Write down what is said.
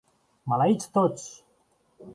Maleïts tots!